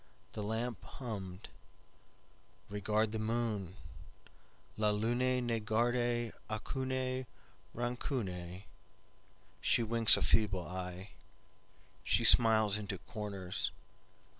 The lamp hummed:"Regard the moon, La lune ne garde aucune rancune, She winks a feeble eye, She smiles into corners.